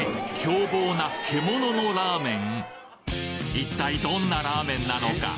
一体どんなラーメンなのか